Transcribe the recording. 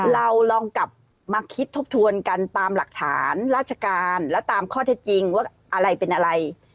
เราลองกลับมาคิดทบทวนกันตามหลักฐานราชการและตามข้อเท็จจริงว่าอะไรเป็นอะไร